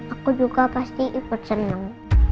aku juga pasti ikut senang